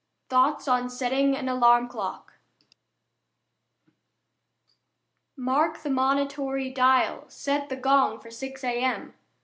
THOUGHTS ON SETTING AN ALARM CLOCK Mark the monitory dial, Set the gong for six a.m.